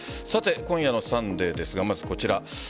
今夜の「サンデー」ですがまずこちら。